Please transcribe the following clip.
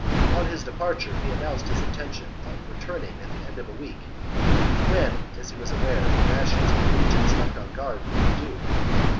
On his departure, he announced his intention of returning at the end of a week, when, as he was aware, the rations of the legions^ left on guard would be due.